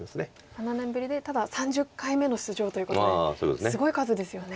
７年ぶりでただ３０回目の出場ということですごい数ですよね。